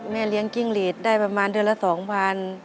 เลี้ยงจิ้งหลีดได้ประมาณเดือนละ๒๐๐บาท